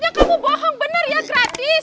bener ya gratis